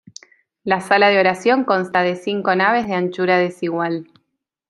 La sala de oración consta de cinco naves de anchura desigual.